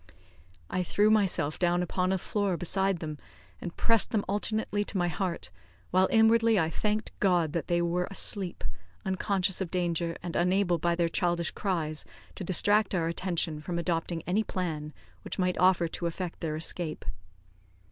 I threw myself down upon the floor beside them, and pressed them alternately to my heart, while inwardly I thanked God that they were asleep, unconscious of danger, and unable by their childish cries to distract our attention from adopting any plan which might offer to effect their escape.